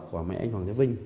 của mẹ anh hoàng thế vinh